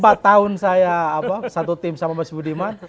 jadi empat tahun saya satu tim sama mas widiman